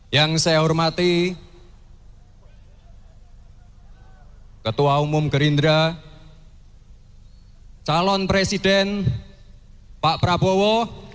yang saya hormati ketua umum gerindra calon presiden pak prabowo